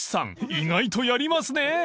意外とやりますね］